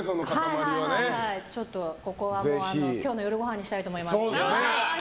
ここは今日の夜ごはんにしたいと思います。